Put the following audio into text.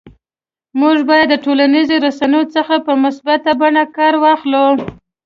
موږ باید د ټولنیزو رسنیو څخه په مثبته بڼه کار واخلو